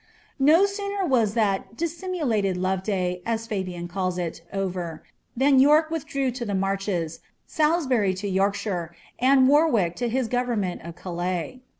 * Utt aooner was ^ this dissimulated lore day," aa Fabyan calls it, over, ilian Tork withdrew to the marches, Salisbury to Yorkshire, and War wick to his government of Calais.'